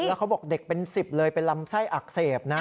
แล้วเขาบอกเด็กเป็น๑๐เลยเป็นลำไส้อักเสบนะ